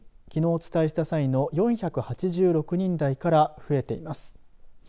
きのう、お伝えした際の４８６人台から増えています。